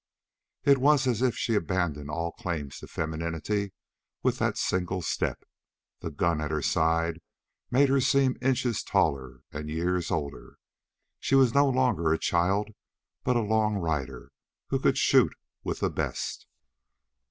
It was as if she abandoned all claims to femininity with that single step; the gun at her side made her seem inches taller and years older. She was no longer a child, but a long rider who could shoot with the best.